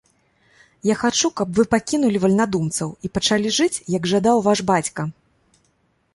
Я хачу, каб вы пакінулі вальнадумцаў і пачалі жыць, як жадаў ваш бацька!